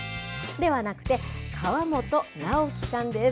ではなくて、川本直樹さんです。